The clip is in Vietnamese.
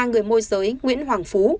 người môi giới nguyễn hoàng phú